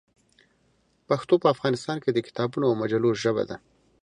پښتو په افغانستان کې د کتابونو او مجلو ژبه ده.